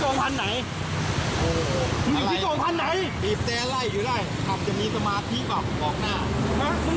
ไม่ได้สูงหมวกกันน็อคให้ไหมคุณจะได้ไปแจ้งความ